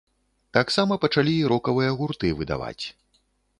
Таксама пачалі і рокавыя гурты выдаваць.